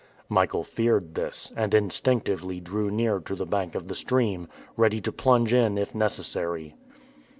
Michael feared this, and instinctively drew near to the bank of the stream, ready to plunge in if necessary.